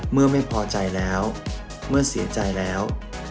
เมื่อไม่พอใจแล้วเมื่อเสียใจแล้ว